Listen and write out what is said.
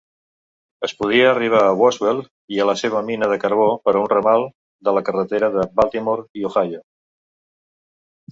Es podia arribar a Boswell i a la seva mina de carbó per un ramal de la carretera de Baltimore i Ohio.